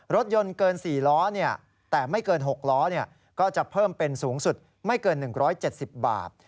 รถยนต์เกิน๔ล้อแต่ไม่เกิน๖ล้อก็จะเพิ่มเป็นสูงสุดไม่เกิน๑๗๐บาท